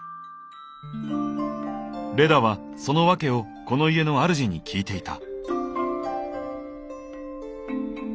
レダはその訳をこの家のあるじに聞いていた。